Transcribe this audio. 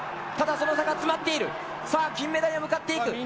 ただその差が詰まっている、さあ金メダルへ向かっていく。